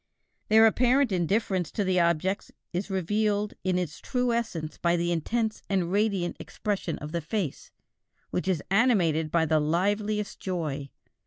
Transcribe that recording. Their apparent indifference to the objects is revealed in its true essence by the intense and radiant expression of the face, which is animated by the liveliest joy.